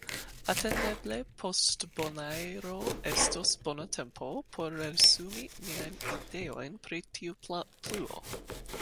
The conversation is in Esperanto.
Atendeble post Bonaero estos bona tempo por resumi niajn ideojn pri tiu pluo.